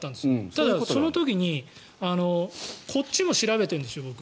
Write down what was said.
ただ、その時にこっちも僕調べてるんです。